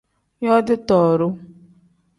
Yooti tooru.